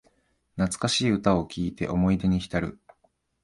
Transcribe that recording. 懐かしい歌を聴いて思い出にひたる